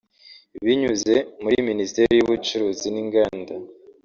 binyuze muri Minisiteri y’Ubucuruzi n’Inganda